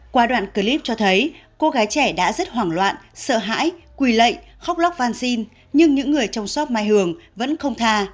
qua đoạn clip cho thấy cô gái trẻ đã rất hoảng loạn sợ hãi quỳ lệnh khóc lóc văn xin nhưng những người trong xót mai hường vẫn không tha